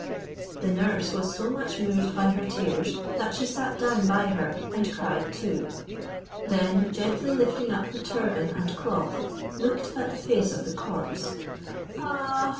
The nurse was so much moved by her tears, that she sat down by her, and cried too. Then gently lifting up the turban and cloth, looked at the face of the corpse. "Ah!